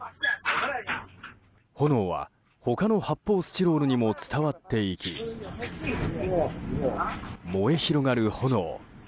炎は、他の発泡スチロールにも伝わっていき燃え広がる炎。